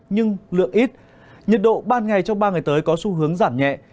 nhưng lượng ít nhiệt độ ban ngày trong ba ngày tới có xu hướng giảm nhẹ